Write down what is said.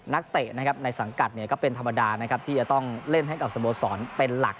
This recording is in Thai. นักเตะในสังกัดก็เป็นธรรมดาที่จะต้องเล่นให้กับสโมสรนเป็นหลัก